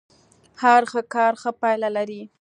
هر ښه کار ښه پايله لري.